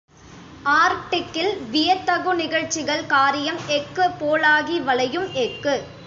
ஆர்க்டிக்கில் வியத்தகு நிகழ்ச்சிகள் காரீயம் எஃகு போலாகி வளையும் எஃகு.